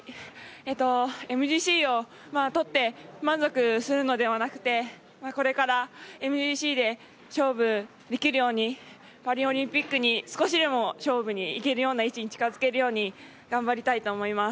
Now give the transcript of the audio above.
ＭＧＣを取って満足するのではなくてこれからＭＧＣで勝負できるようにパリオリンピックに少しでも勝負に行けるような位置に近づけるように頑張りたいと思います。